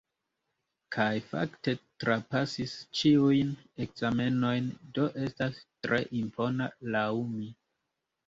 Kaj fakte trapasis ĉiujn ekzamenojn, do estas tre impona laŭ mi.